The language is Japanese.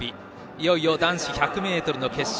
いよいよ男子１００ｍの決勝。